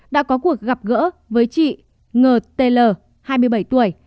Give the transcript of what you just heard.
đã có cuộc gặp gỡ với chị ng t l hai mươi bảy tuổi